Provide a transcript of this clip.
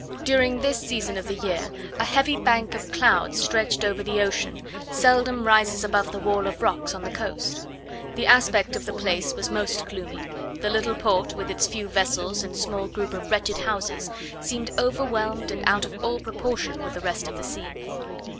During this season of the year a heavy bank of clouds, stretched over the ocean, seldom rises above the wall of rocks on the coast. The aspect of the place was most gloomy; the little port, with its few vessels, and small group of wretched houses, seemed overwhelmed and out of all proportion with the rest of the scene.